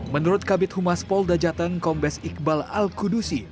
menurut kabit humas polda jateng kombes iqbal al kudusi